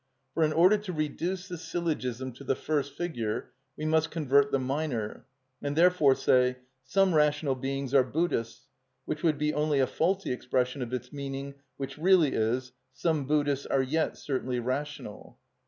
For in order to reduce the syllogism to the first figure we must convert the minor, and therefore say: "Some rational beings are Buddhists," which would be only a faulty expression of its meaning, which really is: "Some Buddhists are yet certainly rational."